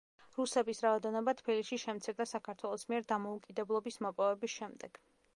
რუსების რაოდენობა თბილისში შემცირდა საქართველოს მიერ დამოუკიდებლობის მოპოვების შემდეგ.